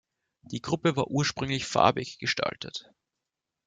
Die Gruppe war ursprünglich farbig gestaltet.